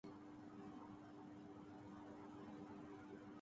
General Zia اور ان کے رفقاء گھبرا گئے۔